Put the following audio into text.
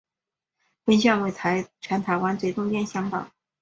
本线为全台湾最东边乡道。